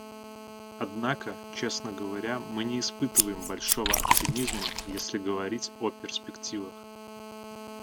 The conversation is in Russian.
Однако, честно говоря, мы не испытываем большого оптимизма, если говорить о перспективах.